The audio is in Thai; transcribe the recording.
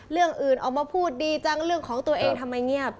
เรื่องอื่นออกมาพูดดีจังเรื่องของตัวเองทำไมเงียบ